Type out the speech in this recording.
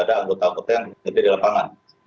anggota anggota yang ada di lapangan